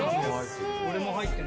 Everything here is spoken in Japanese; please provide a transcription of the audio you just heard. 俺も入ってる。